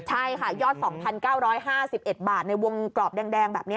ใช่ค่ะยอด๒๙๕๑บาทในวงกรอบแดงแบบนี้